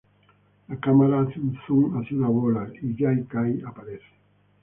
La cámara hace un zoom hacia una bola y Jay Kay aparece.